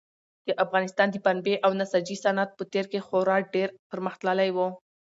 د افغانستان د پنبې او نساجي صنعت په تېر کې خورا ډېر پرمختللی و.